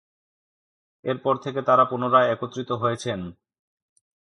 এরপর থেকে তারা পুনরায় একত্রিত হয়েছেন।